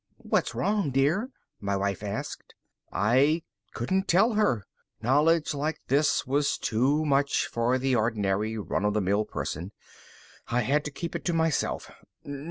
"What's wrong, dear?" my wife asked. I couldn't tell her. Knowledge like this was too much for the ordinary run of the mill person. I had to keep it to myself.